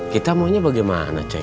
kita maunya bagaimana cek